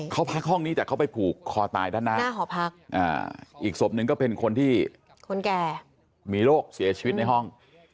เขาพักห้องนี้แต่เขาไปผูกคอตายด้านหน้าหน้าหอพักอีกศพหนึ่งก็เป็นคนที่คนแก่มีโรคเสียชีวิตในห้อง